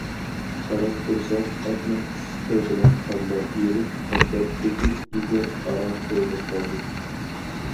قاراپ تۇرساق، ئاتنىڭ ئىسسىقى بىلەن قارلار ئېرىپ، ئاتلار چۆكۈپ، ئېگەر ئاران كۆرۈنۈپ قالدى.